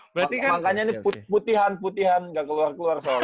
makanya ini putihan putihan ga keluar keluar soalnya